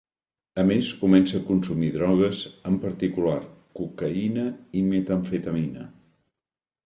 A més, comença a consumir drogues, en particular cocaïna i metamfetamina.